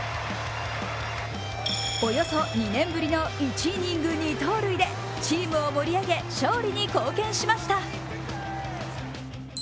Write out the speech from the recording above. およそ２年ぶりの１イニング２盗塁でチームを盛り上げ、勝利に貢献しました。